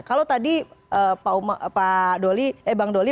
kalau tadi bang doli